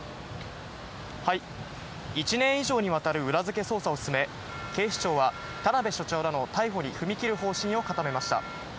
１年以上にわたる裏付け捜査を進め、警視庁は田辺社長らの逮捕に踏み切る方針を固めました。